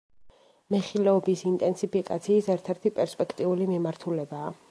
მეხილეობის ინტენსიფიკაციის ერთ-ერთი პერსპექტიული მიმართულებაა.